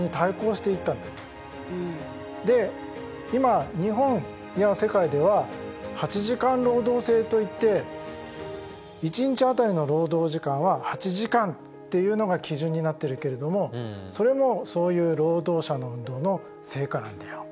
で今日本や世界では８時間労働制といって一日当たりの労働時間は８時間っていうのが基準になっているけどもそれもそういう労働者の運動の成果なんだよ。